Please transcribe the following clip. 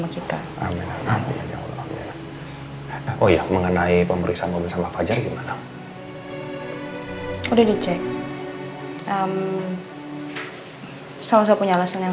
kita oh ya mengenai pemeriksaan pemirsa maka jadi mana udah dicek sama sama punya alasan yang